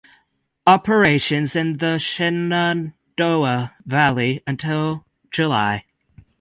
Operations in the Shenandoah Valley until July.